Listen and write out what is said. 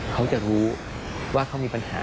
เขาจะรู้ว่าเขามีปัญหา